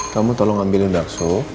kamu tolong ambilin dakso